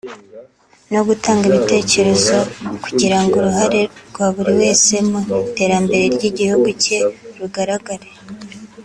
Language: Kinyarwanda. no gutanga ibitekerezo kugira ngo uruhare rwa buri wese mu iterambere ry’ igihugu cye rugaragare